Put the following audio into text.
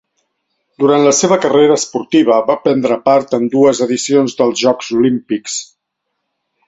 Durant la seva carrera esportiva va prendre part en dues edicions dels Jocs Olímpics.